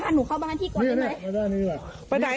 อันนี้ล่ะ